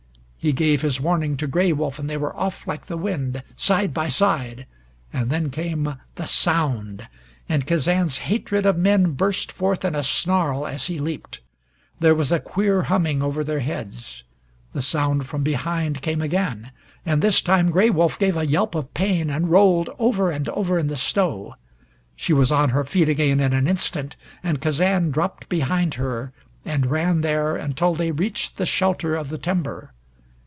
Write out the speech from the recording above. He gave his warning to Gray Wolf, and they were off like the wind, side by side. And then came the sound and Kazan's hatred of men burst forth in a snarl as he leaped. There was a queer humming over their heads. The sound from behind came again, and this time Gray Wolf gave a yelp of pain, and rolled over and over in the snow. She was on her feet again in an instant, and Kazan dropped behind her, and ran there until they reached the shelter of the timber.